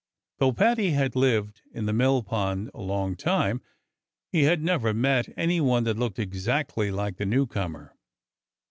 Though Paddy had lived in the mill pond a long time, he had never met any one that looked exactly like the newcomer.